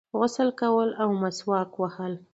غسل کول او مسواک وهل